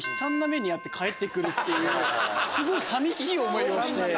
すごい寂しい思いをして。